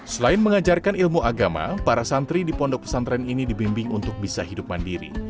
selain mengajarkan ilmu agama para santri di pondok pesantren ini dibimbing untuk bisa hidup mandiri